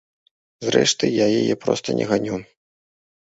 Зрэшты, я яе проста не ганю.